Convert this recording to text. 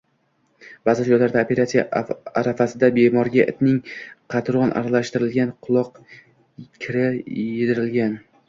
Ba’zi joylarda operatsiya arafasida bemorga itning qatron aralashtirilgan quloq kiri yedirilgan